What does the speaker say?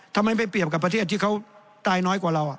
ทำไมไปเปรียบกับประเทศที่เขาตายน้อยกว่าเรา